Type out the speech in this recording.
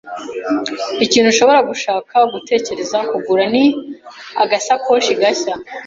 Ikintu ushobora gushaka gutekereza kugura ni agasakoshi gashya.